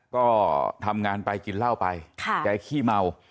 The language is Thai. ก็ทำงานไปกินเหล้าไปแกขี้เมา